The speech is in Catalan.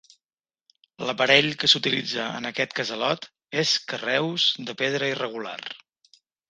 L'aparell que s'utilitza en aquest casalot és carreus de pedra irregular.